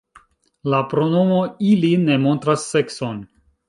La pronomo ili ne montras sekson.